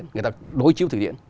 người ta đối chiếu thực hiện